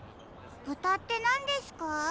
豚ってなんですか？